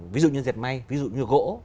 ví dụ như diệt may ví dụ như gỗ